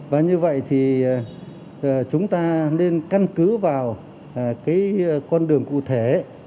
và như vậy thì chúng ta nên căn cứ vào cái con đường cụ thể